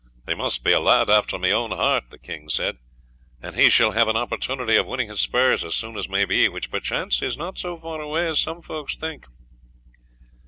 "'He must be a lad after my own heart,' he said, 'and he shall have an opportunity of winning his spurs as soon as may be, which perchance is not so far away as some folks think.'"